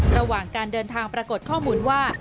ระหว่างการเดินทางปรากฏข้อมูลว่า